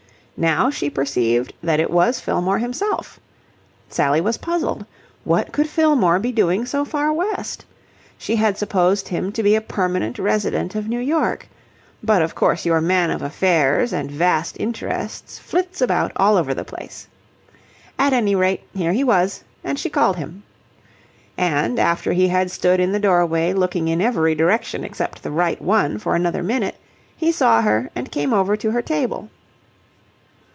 Now she perceived that it was Fillmore himself. Sally was puzzled. What could Fillmore be doing so far west? She had supposed him to be a permanent resident of New York. But, of course, your man of affairs and vast interests flits about all over the place. At any rate, here he was, and she called him. And, after he had stood in the doorway looking in every direction except the right one for another minute, he saw her and came over to her table.